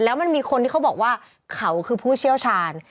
แล้วมันมีคนที่เขาบอกว่าเขาคือผู้เชี่ยวชาญ